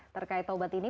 terkait taubat ini